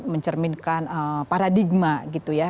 mencerminkan paradigma gitu ya